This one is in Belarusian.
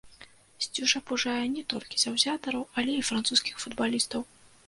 Сцюжа пужае не толькі заўзятараў, але і французскіх футбалістаў.